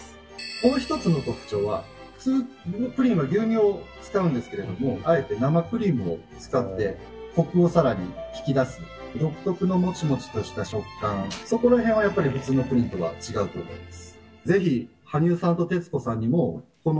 「もう一つの特徴は普通プリンは牛乳を使うんですけれどもあえて生クリームを使ってコクをさらに引き出す」「独特のモチモチとした食感そこら辺はやっぱり普通のプリンとは違うと思います」